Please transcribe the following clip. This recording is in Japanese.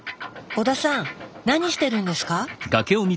織田さん何してるんですか？